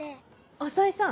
浅井さん。